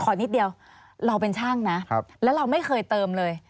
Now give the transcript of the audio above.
นิดเดียวเราเป็นช่างนะแล้วเราไม่เคยเติมเลย